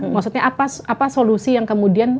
maksudnya apa solusi yang kemudian